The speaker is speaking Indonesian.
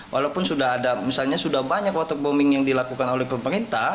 walaupun sudah ada misalnya sudah banyak waterbombing yang dilakukan oleh pemerintah